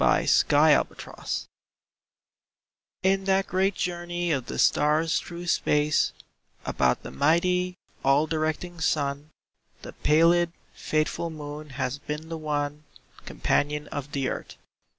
A SOLAR ECLIPSE In that great journey of the stars through space About the mighty, all directing Sun, The pallid, faithful Moon has been the one Companion of the Earth.